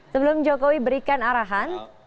sebelum jokowi berikan arahan